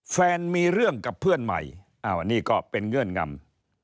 มันมีเรื่องกับเพื่อนใหม่อ้าวนี่ก็เป็นเงื่อนงำ